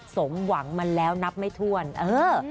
สมหวังมาแล้วนับไม่ถ้วนเออ